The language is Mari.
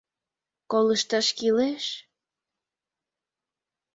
Колышташ кӱлеш...